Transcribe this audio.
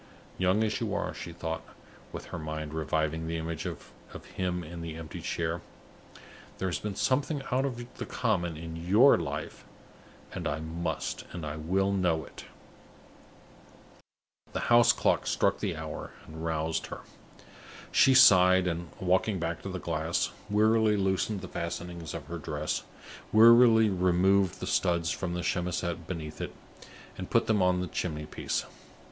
"Young as you are," she thought, with her mind reviving the image of him in the empty chair, "there has been something out of the common in your life; and I must and will know it!" The house clock struck the hour, and roused her. She sighed, and, walking back to the glass, wearily loosened the fastenings of her dress; wearily removed the studs from the chemisette beneath it, and put them on the chimney piece.